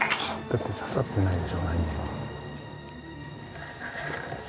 だって、ささってないでしょう、何も。